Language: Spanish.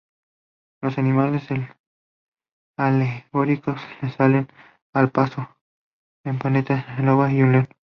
Tres animales alegóricos le salen al paso: una pantera, una loba y un león.